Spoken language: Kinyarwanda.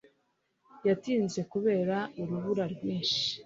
Yatinze kubera urubura rwinshi.